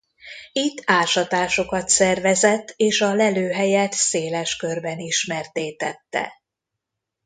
Itt ásatásokat szervezett és a lelőhelyet széles körben ismertté tette.